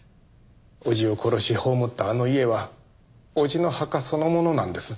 叔父を殺し葬ったあの家は叔父の墓そのものなんです。